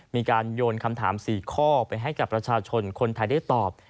มีการโยนคำถาม๔ข้อไปให้กับประชาชนคนไทยได้ตอบ